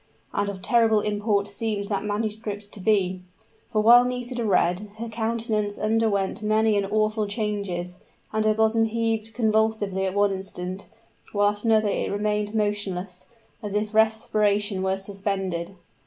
And of terrible import seemed that manuscript to be; for while Nisida read, her countenance underwent many and awful changes and her bosom heaved convulsively at one instant, while at another it remained motionless, as if respiration were suspended.